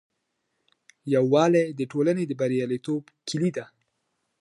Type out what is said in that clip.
یووالي د ټولني د بریالیتوب کیلي ده.